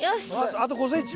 あと５ｃｍ。